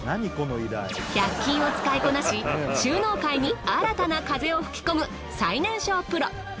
１００均を使いこなし収納界に新たな風を吹き込む最年少プロ。